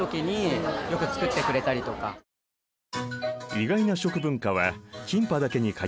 意外な食文化はキンパだけに限らない。